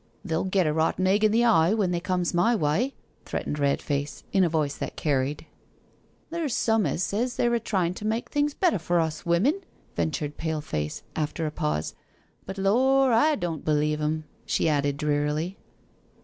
*' They'll get a rotten egg in the eye when they comes my wye," threatened Red face, in a voice that carried. " There's some as sez they're a tryin' to make things better for us women," ventured Pale face after a pause; " but. Lor', I don' believe 'em," she added drearily.